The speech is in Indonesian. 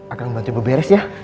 akan bantu beberes ya